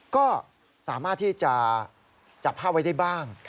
ก็สามารถที่จะจับผ้าไว้ได้บ้าง